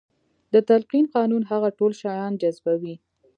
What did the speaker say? د تلقين قانون هغه ټول شيان جذبوي.